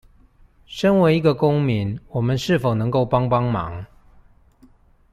身為一個公民我們是否能幫幫忙